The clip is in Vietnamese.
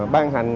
ban hành cái